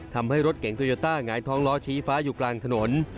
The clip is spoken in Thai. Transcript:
ทำให้รถเก๋งโตโยต้าหงายท้องล้อชี้ฟ้าอยู่กลางถนน